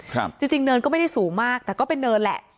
จริงจริงเนินก็ไม่ได้สูงมากแต่ก็เป็นเนินแหละ